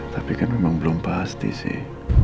tapi kan memang belum pasti sih